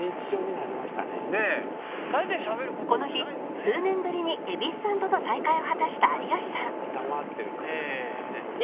この日数年ぶりに蛭子さんとの再会を果たした有吉さん